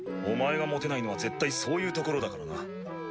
お前がモテないのは絶対そういうところだからな。